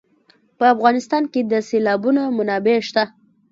په افغانستان کې د سیلابونه منابع شته.